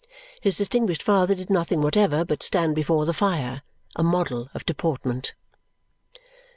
His distinguished father did nothing whatever but stand before the fire, a model of deportment.